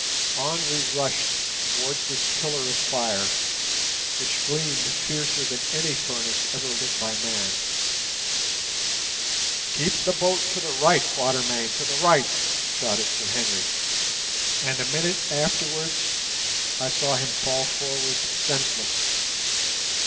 On we rushed towards this pillar of fire, which gleamed fiercer than any furnace ever lit by man. "Keep the boat to the right, Quatermain—to the right," shouted Sir Henry, and a minute afterwards I saw him fall forward senseless.